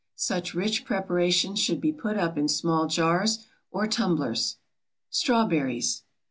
Such rich preparations should be put up in small jars or tumblers. STRAWBERRIES.